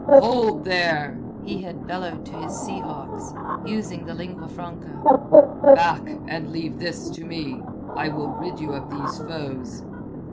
"Hold there!" he had bellowed to his sea hawks, using the lingua franca. "Back, and leave this to me. I will rid you of these foes."